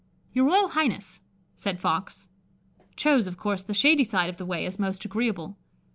"Your Royal Highness," said Fox, "chose, of course, the shady side of the way as most agreeable.